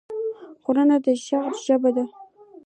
غوږونه د شعر ژبه ده